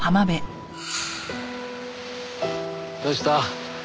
どうした？